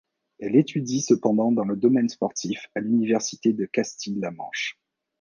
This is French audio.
Elle étudie cependant dans le domaine sportif, à l'Université de Castille-La Manche.